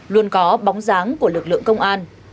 luôn có bóng dáng của lực lượng công an